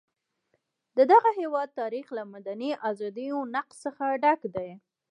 د دغه هېواد تاریخ له مدني ازادیو نقض څخه ډک دی.